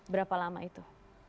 berapa lama itu